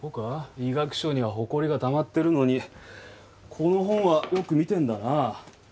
医学書にはほこりがたまってるのにこの本はよく見てるんだな。